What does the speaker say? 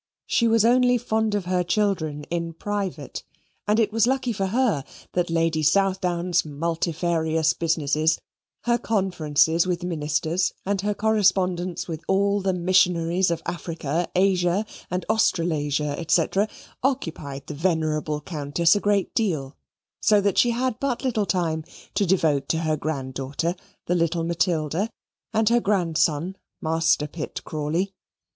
She was only fond of her children in private, and it was lucky for her that Lady Southdown's multifarious business, her conferences with ministers, and her correspondence with all the missionaries of Africa, Asia, and Australasia, &c., occupied the venerable Countess a great deal, so that she had but little time to devote to her granddaughter, the little Matilda, and her grandson, Master Pitt Crawley.